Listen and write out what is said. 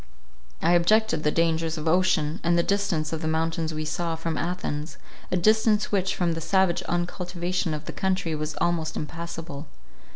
I objected the dangers of ocean, and the distance of the mountains we saw, from Athens; a distance which, from the savage uncultivation of the country, was almost impassable.